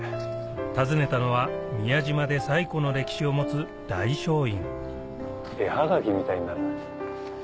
訪ねたのは宮島で最古の歴史を持つ絵はがきみたいにならない？